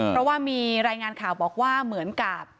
เพราะว่ามีรายงานข่าวบอกว่าเหมือนกับ